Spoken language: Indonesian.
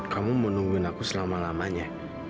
kamu mau nungguin aku selama lamanya